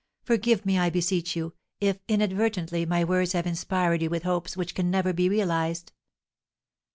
Forgive me, I beseech you, if, inadvertently, my words have inspired you with hopes which can never be realised."